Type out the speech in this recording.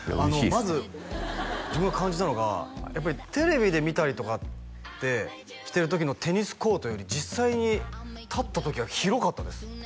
まず自分が感じたのがやっぱりテレビで見たりとかってしてる時のテニスコートより実際に立った時は広かったです